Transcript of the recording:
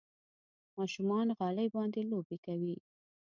ماشومان غالۍ باندې لوبې کوي.